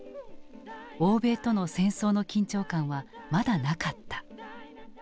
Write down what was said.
欧米との戦争の緊張感はまだなかった。